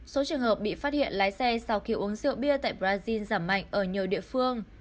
số trường hợp bị phát hiện lái xe sau khi uống rượu bia tại brazil giảm mạnh ở nhiều địa phương